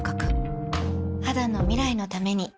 肌の未来のために